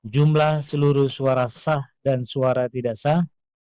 jumlah seluruh suara sah dan suara tidak sah